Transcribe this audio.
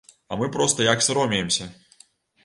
А мы проста як саромеемся.